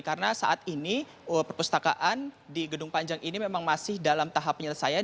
karena saat ini perpustakaan di gedung panjang ini memang masih dalam tahap penyelesaian